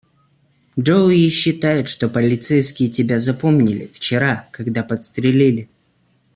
Джоуи считает, что полицейские тебя запомнили - вчера, когда подстрелили.